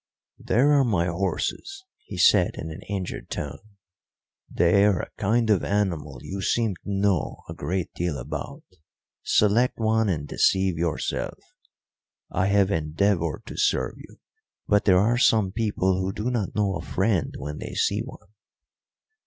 "There are my horses," he said in an injured tone. "They are a kind of animal you seem to know a great deal about; select one and deceive yourself. I have endeavoured to serve you; but there are some people who do not know a friend when they see one."